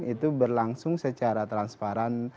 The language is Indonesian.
itu berlangsung secara transparan